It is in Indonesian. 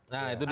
nah itu dia